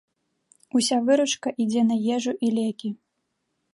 Уся выручка ідзе на ежу і лекі.